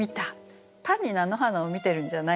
単に菜の花を見てるんじゃないんです。